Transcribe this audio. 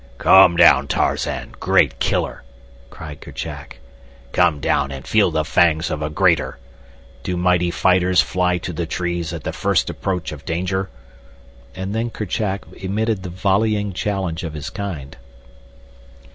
"Come down, Tarzan, great killer," cried Kerchak. "Come down and feel the fangs of a greater! Do mighty fighters fly to the trees at the first approach of danger?" And then Kerchak emitted the volleying challenge of his kind.